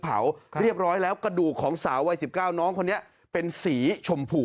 เผาคราวเรียบร้อยแล้วกระเด็งของสาววัยสิบเก้าน้องคนนี้เป็นสีชมผู